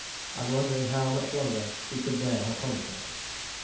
and wondering how much longer she could bear her punishment.